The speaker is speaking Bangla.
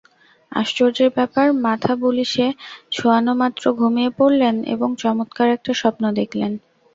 আশ্চর্যের ব্যাপার, মাথা বুলিশে ছোঁয়ানোমাত্র ঘুমিয়ে পড়লেন, এবং চমৎকার একটা স্বপ্ন দেখলেন।